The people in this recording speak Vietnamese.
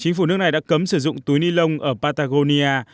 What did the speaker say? nước này đã cấm sử dụng túi ni lông ở patagonia